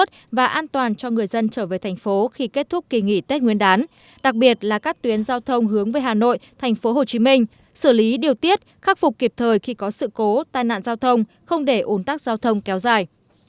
thành phố khi kết thúc kỳ nghỉ tết nguyên đán đặc biệt là các tuyến giao thông hướng với hà nội thành phố hồ chí minh xử lý điều tiết khắc phục kịp thời khi có sự cố tai nạn giao thông không để ổn tắc giao thông kéo dài